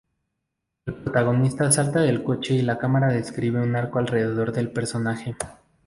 El protagonista salta del coche y la cámara describe un arco alrededor del personaje.